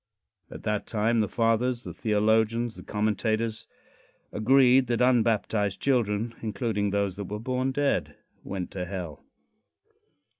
At that time the fathers the theologians, the commentators agreed that unbaptized children, including those that were born dead, went to hell.